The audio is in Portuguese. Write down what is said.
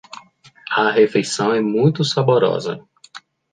A refeição é muito saborosa.